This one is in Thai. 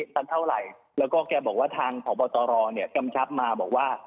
สักเท่าไหร่แล้วก็แกบอกว่าทางพบตรเนี่ยกำชับมาบอกว่า